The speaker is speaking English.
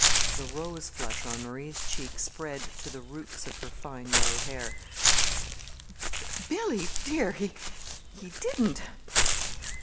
The rose flush on Marie's cheek spread to the roots of her fine yellow hair. "Billy, dear, he he didn't!"